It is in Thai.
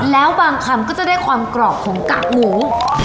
แล้วบางคำก็จะได้ความกรอบของกากหมู